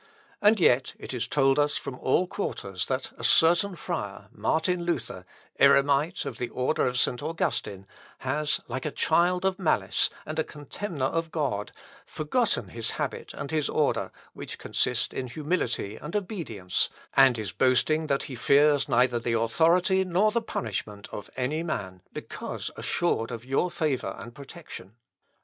And yet it is told us from all quarters that a certain friar, Martin Luther, Eremite of the order of St. Augustine, has, like a child of malice, and a contemner of God, forgotten his habit and his order, which consist in humility and obedience, and is boasting that he fears neither the authority nor the punishment of any man, because assured of your favour and protection.